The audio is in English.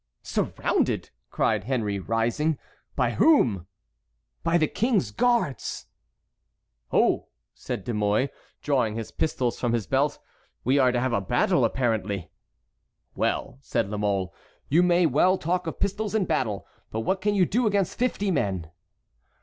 "Surrounded!" cried Henry, rising; "by whom?" "By the King's guards." "Oh!" said De Mouy, drawing his pistols from his belt, "we are to have a battle, apparently." "Well," said La Mole, "you may well talk of pistols and battle, but what can you do against fifty men?"